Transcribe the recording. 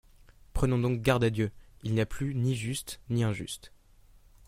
Prenons donc garde à Dieu ! Il n'y a plus ni juste ni injuste.